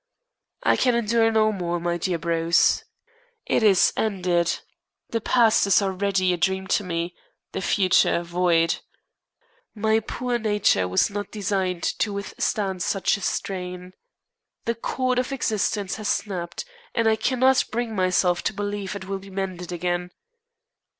I can endure no more, my dear Bruce. It is ended. The past is already a dream to me the future void. My poor nature was not designed to withstand such a strain. The cord of existence has snapped, and I cannot bring myself to believe it will be mended again.